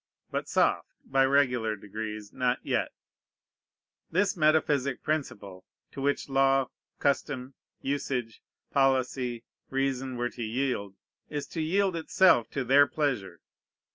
"But soft, by regular degrees, not yet." This metaphysic principle, to which law, custom, usage, policy, reason, were to yield, is to yield itself to their pleasure.